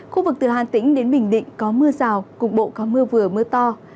khu vực từ hàn tĩnh đến bình định có mưa rào cùng bộ có mưa vừa mưa to